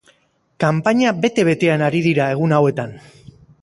Kanpaina bete-betean ari dira egun hauetan.